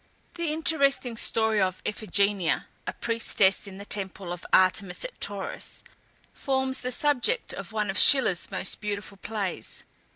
The interesting story of Iphigenia, a priestess in the temple of Artemis at Tauris, forms the subject of one of Schiller's most beautiful plays.